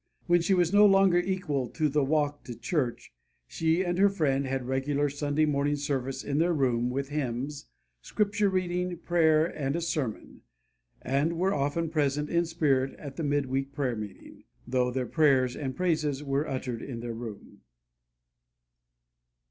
When she was no longer equal to the walk to church, she and her friend had regular Sunday morning service in their room with hymns, Scripture reading, prayer and a sermon, and were often present in spirit at the midweek prayer meeting, though their prayers and praises were uttered in their room.